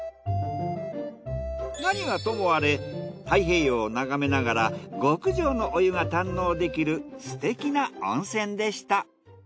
何はともあれ太平洋を眺めながら極上のお湯が堪能できるすてきな温泉でした。